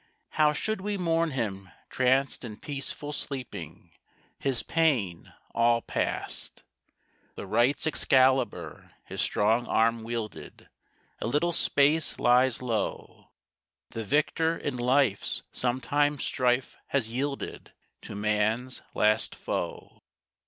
How should we mourn him tranced in peaceful sleeping, His pain all past! The Right's Excalibur his strong arm wielded A little space lies low; The victor in life's sometime strife has yielded To man's last Foe.